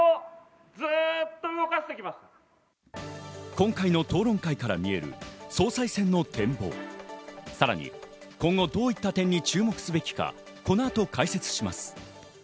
今回の討論会から見える総裁選の展望、さらに今後どういった点に注目すべきか、この後解説します。